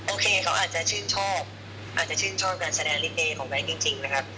โอเคเขาอาจจะชื่นชอบการแสดงลิเตย์ของแบบนี้จริงนะครับ